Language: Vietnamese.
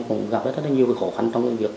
cũng gặp rất là nhiều khổ khăn trong việc